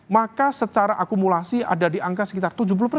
maka secara akumulasi ada diangka sekitar tujuh puluh